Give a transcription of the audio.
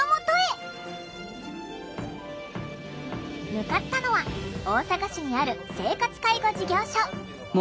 向かったのは大阪市にある生活介護事業所。